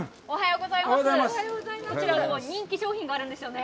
おはようございます。